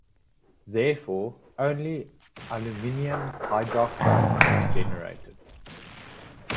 Therefore, only aluminum hydroxide was generated.